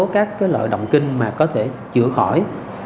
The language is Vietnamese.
các loại động kinh mà có thể chữa khỏi